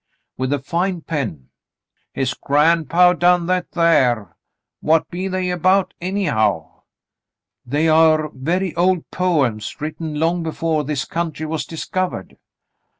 — with a fine pen." "His grandpaw done that thar. What be they about, anyhow?" "They are very old poems written long before this country was discovered."